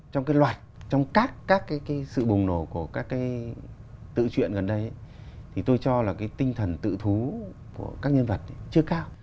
trong cái loạt trong các cái sự bùng nổ của các cái tự chuyện gần đây thì tôi cho là cái tinh thần tự thú của các nhân vật chưa cao